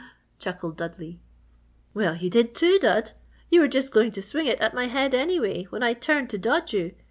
chuckled Dudley. "Well, you did, too, Dud! You were just going to swing it at my head anyway when I turned to dodge you!